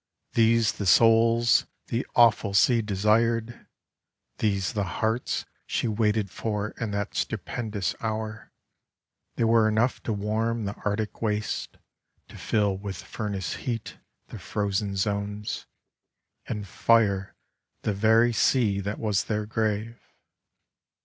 These the souls The awful Sea desired ! These the hearts She waited for in that stupendous hour I They were enough to warm the Arctic wastes, To fill with furnace heat the frozen zones, And fire the very Sea that was their grave.